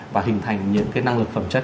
và hình thành những cái năng lực phẩm chất